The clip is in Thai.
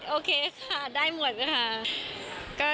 โอเคค่ะได้หมดค่ะ